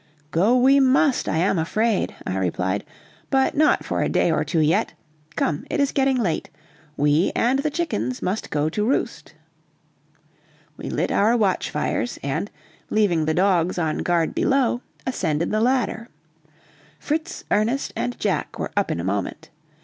"Go we must, I am afraid," I replied, "but not for a day or two yet. Come, it is getting late. We and the chickens must go to roost." We lit our watch fires, and, leaving the dogs on guard below, ascended the ladder. Fritz, Ernest, and Jack were up in a moment.